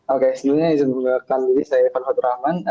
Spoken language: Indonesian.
oke sebelumnya izin mengucapkan diri saya ivan fadur rahman